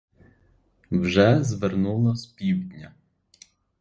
Вже звернуло з півдня.